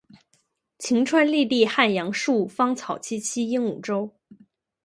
晴川历历汉阳树，芳草萋萋鹦鹉洲。